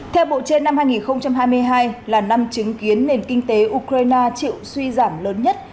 theo bộ trên năm hai nghìn hai mươi hai là năm chứng kiến nền kinh tế ukraine chịu suy giảm lớn nhất